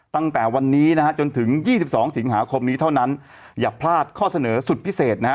ตั้งแต่วันนี้นะฮะจนถึง๒๒สิงหาคมนี้เท่านั้นอย่าพลาดข้อเสนอสุดพิเศษนะฮะ